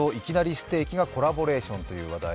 ステーキがコラボレーションという話題。